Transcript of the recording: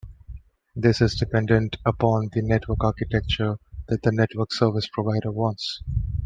This is dependent upon the network architecture that the network service provider wants.